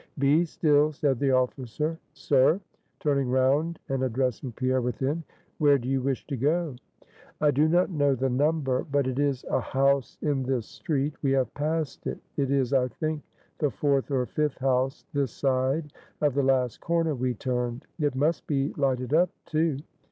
"Be still" said the officer. "Sir" turning round and addressing Pierre within; "where do you wish to go?" "I do not know the number, but it is a house in this street; we have passed it; it is, I think, the fourth or fifth house this side of the last corner we turned. It must be lighted up too.